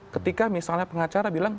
ketika misalnya pengacara bilang